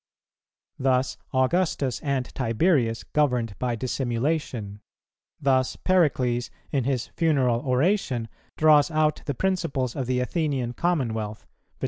Thus Augustus and Tiberius governed by dissimulation; thus Pericles in his "Funeral Oration" draws out the principles of the Athenian commonwealth, viz.